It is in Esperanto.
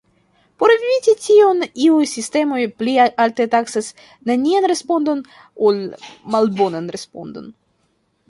Por eviti tion, iuj sistemoj pli alte taksas nenian respondon ol malbonan respondon.